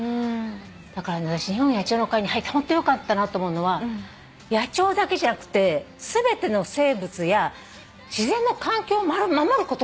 だから私日本野鳥の会に入ってホントよかったなと思うのは野鳥だけじゃなくて全ての生物や自然の環境を守ることもしてるのよ。